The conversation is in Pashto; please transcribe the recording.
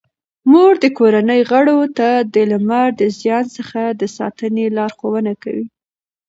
مور د کورنۍ غړو ته د لمر د زیان څخه د ساتنې لارښوونه کوي.